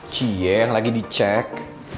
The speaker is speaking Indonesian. cie yang lagi dicek